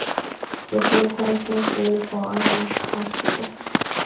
此后再升湖广按察使。